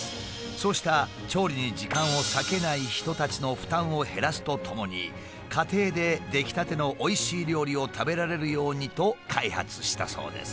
そうした調理に時間を割けない人たちの負担を減らすとともに家庭で出来たてのおいしい料理を食べられるようにと開発したそうです。